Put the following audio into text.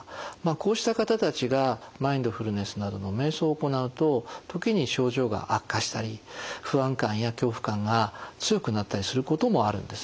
こうした方たちがマインドフルネスなどのめい想を行うと時に症状が悪化したり不安感や恐怖感が強くなったりすることもあるんですね。